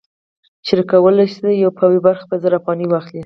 شریک کولی شي یوه برخه په زر افغانۍ واخلي